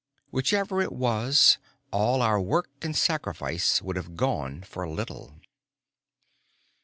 Whichever it was, all our work and sacrifice would have gone for little.